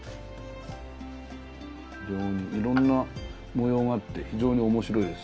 いろんな模様があって非常に面白いです。